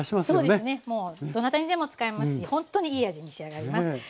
そうですねもうどなたにでも使えますしほんとにいい味に仕上がります。